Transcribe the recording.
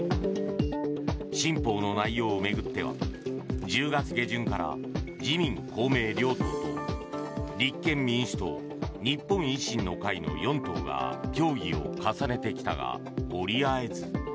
新法の内容を巡っては１０月下旬から自民・公明両党と立憲民主党日本維新の会の４党が協議を重ねてきたが折り合えず。